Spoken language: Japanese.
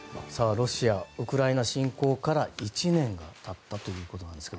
ロシア、ウクライナ侵攻から１年経ったということなんですが。